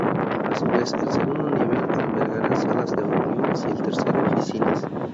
A su vez, el segundo nivel albergará salas de reuniones y el tercero, oficinas.